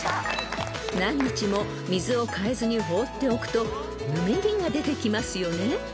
［何日も水を替えずに放っておくとぬめりが出てきますよね］